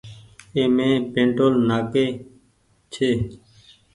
اي مين پيٽول نآ ڪي ڇي۔